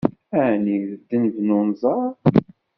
Ɛni d ddenb n unẓar?